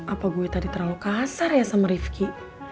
apa gue tadi terlalu kasar ya sama rifki